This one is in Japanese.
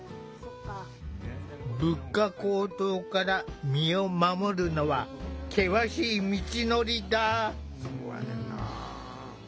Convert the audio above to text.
物価高騰から身を守るのは険しい道のりだ。